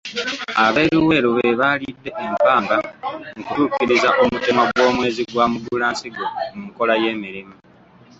Ab'eLuweero be baalidde empanga mu kutuukiriza omutemwa gw'omwezi gwa Mugulansigo mu nkola y'emirimu.